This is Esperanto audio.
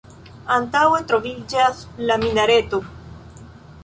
Antaŭe troviĝas la minareto.